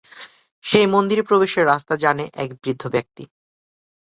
সেই মন্দিরে প্রবেশের রাস্তা জানে এক বৃদ্ধ ব্যক্তি।